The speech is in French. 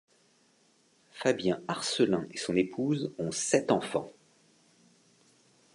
Fabien Arcelin et son épouse ont sept enfants.